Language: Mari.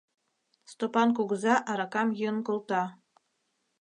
Стопан кугыза аракам йӱын колта.